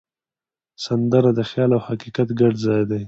سندره د خیال او حقیقت ګډ ځای دی